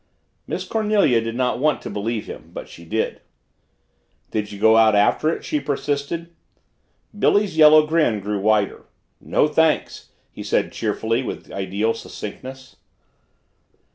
Miss Cornelia did not want to believe him but she did. "Did you go out after it?" she persisted. Billy's yellow grin grew wider. "No thanks," he said cheerfully with ideal succinctness.